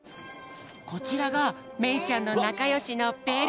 こちらがめいちゃんのなかよしのベル。